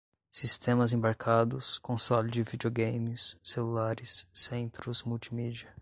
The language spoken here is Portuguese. sistemas embarcados, console de videogames, celulares, centros multimídia